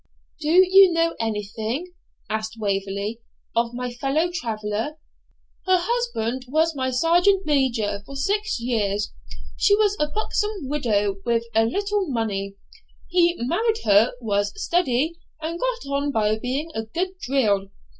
'Do you know anything,' asked Waverley, 'of my fellow traveller?' 'Her husband was my sergeant major for six years; she was a buxom widow, with a little money; he married her, was steady, and got on by being a good drill.